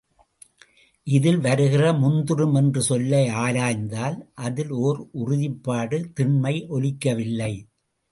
இதில் வருகிற முந்துறும் என்ற சொல்லை ஆராய்ந்தால் அதில் ஒர் உறுதிப்பாடு திண்மை ஒலிக்கவில்லை.